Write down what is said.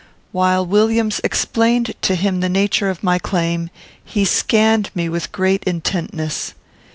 While Williams explained to him the nature of my claim, he scanned me with great intentness.